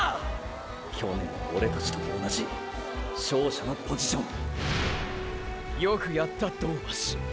去年のオレたちと同じ勝者のポジションよくやった銅橋。